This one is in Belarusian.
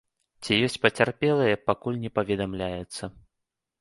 Ці ёсць пацярпелыя, пакуль не паведамляецца.